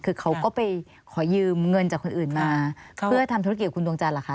คือเขาก็ไปขอยืมเงินจากคนอื่นมาเพื่อทำธุรกิจกับคุณดวงจันทร์เหรอคะ